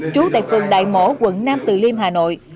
trú tại phường đại mỗ quận nam từ liêm hà nội